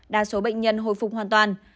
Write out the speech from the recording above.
đa số bệnh nhân hồi phục hoàn toàn